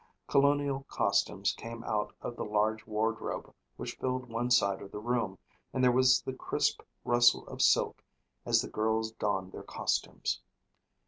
Colonial costumes came out of the large wardrobe which filled one side of the room and there was the crisp rustle of silk as the girls donned their costumes.